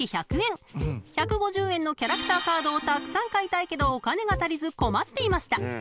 ［１５０円のキャラクターカードをたくさん買いたいけどお金が足りず困っていました］